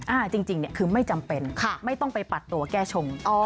จริงเนี่ยคือไม่จำเป็นไม่ต้องไปปัดตัวแก้ชง